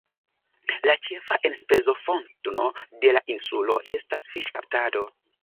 La ĉefa enspezofotno de la insulo estas fiŝkaptado.